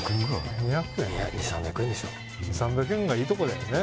２００３００円がいいとこだよね